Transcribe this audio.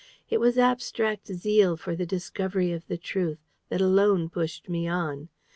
It was abstract zeal for the discovery of the truth that alone pushed me on.